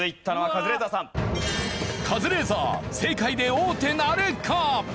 カズレーザー正解で王手なるか？